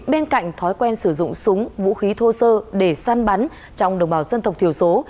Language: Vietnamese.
bên cạnh thói quen sử dụng súng vũ khí thô sơ để săn bắn trong đồng bào dân tộc thiểu số